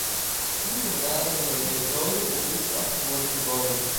Iedere benaderende methode op dit vlak moet worden verboden.